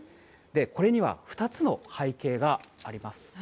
これには２つの背景があります。